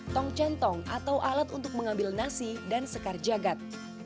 tong centong atau alat untuk mengambil nasi dan sekar jagad